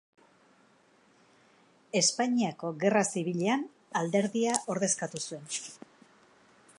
Espainiako Gerra Zibilean alderdia ordezkatu zuen.